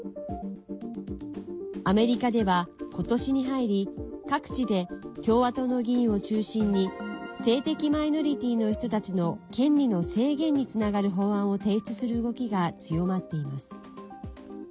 アメリカでは今年に入り、各地で共和党の議員を中心に性的マイノリティーの人たちの権利の制限につながる法案を提出する動きが強まっています。